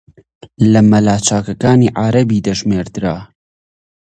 لە مەلا چاکەکانی عارەبی دەژمێردرا